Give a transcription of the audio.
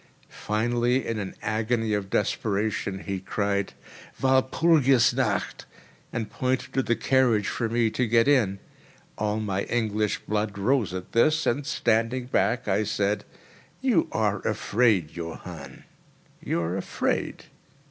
Finally, in an agony of desperation, he cried: "Walpurgis nacht!" and pointed to the carriage for me to get in. All my English blood rose at this, and, standing back, I said: "You are afraid, Johann—you are afraid.